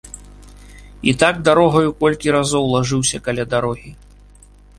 І так дарогаю колькі разоў лажыўся каля дарогі.